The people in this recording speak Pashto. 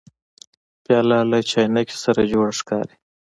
پیاله له چاینکي سره جوړه ښکاري.